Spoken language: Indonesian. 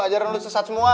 ajaran lo sesat semua